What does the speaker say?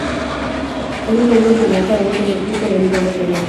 En un año jugó para un solo equipo de Liga Nacional.